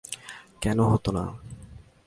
কেন হত না?